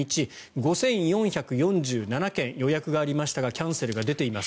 ５４４７件の予約がありましたがキャンセルが出ています。